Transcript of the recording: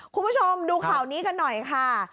คุณผู้ชมดูข่าวนี้กันหน่อยค่ะ